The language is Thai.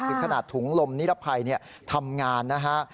ถึงขนาดถุงลมนิรภัยทำงานนะฮะ